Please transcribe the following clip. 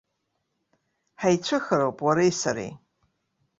Ҳаицәыхароуп уареи сареи.